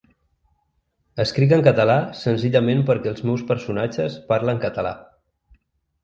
Escric en català senzillament perquè els meus personatges parlen català.